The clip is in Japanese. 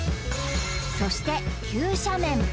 そして急斜面